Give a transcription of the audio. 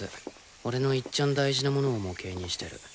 俺のいっちゃん大事なものを模型にしてる。